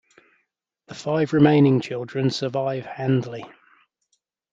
The five remaining children survive Handley.